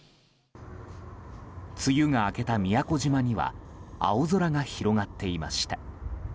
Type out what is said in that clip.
梅雨が明けた宮古島には青空が広がっていました。